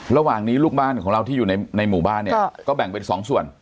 ระหว่างนี้ลูกบ้านของเราที่อยู่ในหมู่บ้านเนี่ยก็แบ่งเป็น๒ส่วน